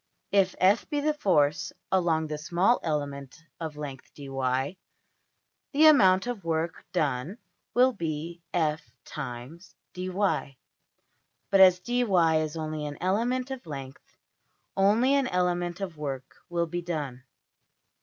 If $f$ be the force along the small element of length~$dy$, the amount of work done will be $f × dy$. But as $dy$ is only an element of length, only an element of \DPPageSep{070.png}% work will be done.